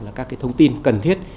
là các cái thông tin cần thiết